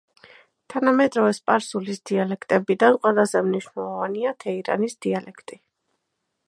თანამედროვე სპარსულის დიალექტებიდან ყველაზე მნიშვნელოვანია თეირანის დიალექტი.